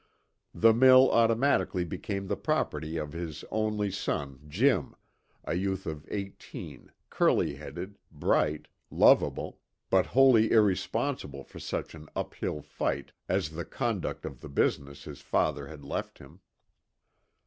The mill automatically became the property of his only son Jim, a youth of eighteen, curly headed, bright, lovable, but wholly irresponsible for such an up hill fight as the conduct of the business his father had left him.